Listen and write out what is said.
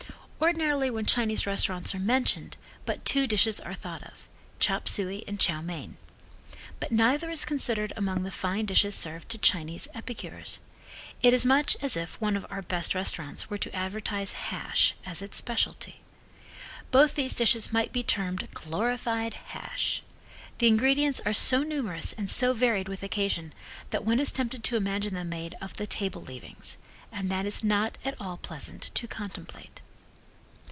Ordinarily when Chinese restaurants are mentioned but two dishes are thought of chop suey and chow main. But neither is considered among the fine dishes served to Chinese epicures. It is much as if one of our best restaurants were to advertise hash as its specialty. Both these dishes might be termed glorified hash. The ingredients are so numerous and so varied with occasion that one is tempted to imagine them made of the table leavings, and that is not at all pleasant to contemplate.